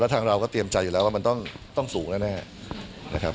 ทางเราก็เตรียมใจอยู่แล้วว่ามันต้องสูงแน่นะครับ